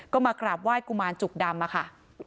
ก็มากราบไหว้กุมารจุกดำอะค่ะ